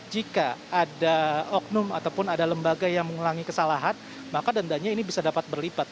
jika ada oknum ataupun ada lembaga yang mengulangi kesalahan maka dendanya ini bisa dapat berlipat